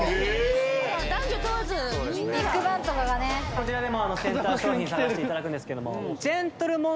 こちらでもセンター商品探していただくんですけども。